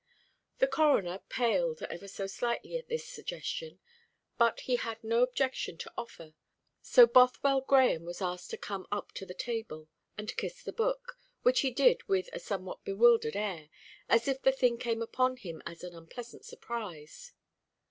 The Coroner paled ever so slightly at this suggestion, but he had no objection to offer: so Bothwell Grahame was asked to come up to the table, and kiss the Book, which he did with a somewhat bewildered air, as if the thing came upon him as an unpleasant surprise.